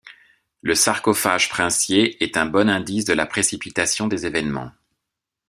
Le sarcophage princier est un bon indice de la précipitation des événements.